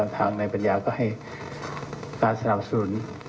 ทางนายปัญญาคือก็ให้อาศิลป์สรุป